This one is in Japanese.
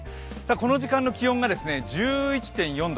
この時間の気温が１１．４度。